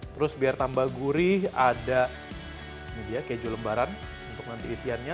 terus biar tambah gurih ada ini dia keju lembaran untuk nanti isiannya